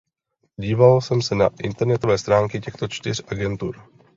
Díval jsem se na internetové stránky těchto čtyř agentur.